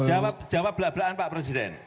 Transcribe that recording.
jawab jawab belak belakan pak presiden